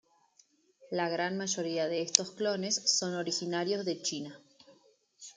La gran mayoría de estos clones son originarios de China.